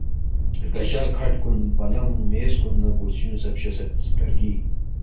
رگشہ کھٹ کن، پلنگ ، میز کن نہ کرسیونگ سہ فچوسید سترگی